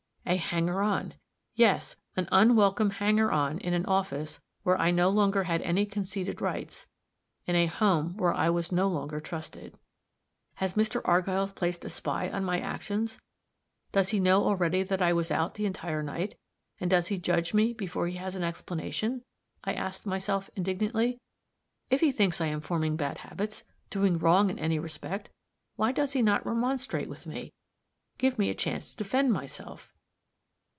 A hanger on! yes, an unwelcome hanger on in an office where I no longer had any conceded rights in a home where I was no longer trusted. "Has Mr. Argyll placed a spy on my actions? Does he know already that I was out the entire night? and does he judge me before he has an explanation?" I asked myself, indignantly. "If he thinks I am forming bad habits, doing wrong in any respect, why does he not remonstrate with me give me a chance to defend myself?"